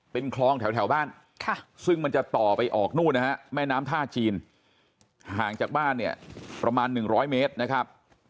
เป็นคลองแถวบ้านซึ่งมันจะต่อไปออกนู่นนะฮะแม่น้ำท่าจีนห่างจากบ้านเนี่ยประมาณ๑๐๐เมตรนะครับ